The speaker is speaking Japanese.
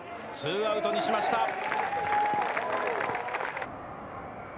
２アウトにしました。